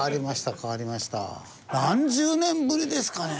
何十年ぶりですかね？